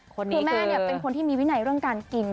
คือแม่เป็นคนที่มีวินัยเรื่องการกิน